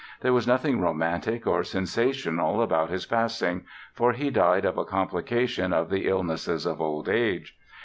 There was nothing romantic or sensational about his passing, for he died of a complication of the illnesses of old age.